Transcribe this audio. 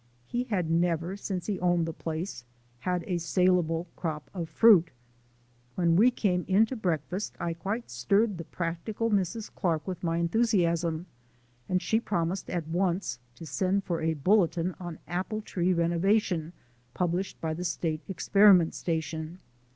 He had never, since he owned the place, had a salable crop of fruit. When we came in to breakfast I quite stirred the practical Mrs. Clark with my enthusiasm, and she promised at once to send for a bulletin on apple tree renovation, published by the state experiment station.